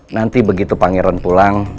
nanti begitu pangeran pulang